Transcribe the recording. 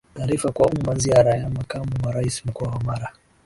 Taarifa kwa Umma Ziara ya Makamu wa Raisi Mkoa wa Mara